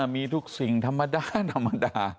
มีทุกสิ่งธรรมดาธรรมดา